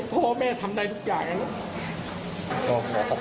พ่อแม่ทำได้ทุกอย่าง